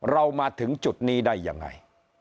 เรามาถึงจุดนี้ได้ยังไง